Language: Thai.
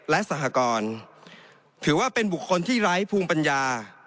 และสหกรถือว่าเป็นบุคคลที่ไร้ภูมิปัญญา